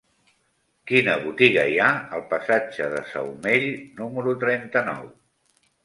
Quina botiga hi ha al passatge de Saumell número trenta-nou?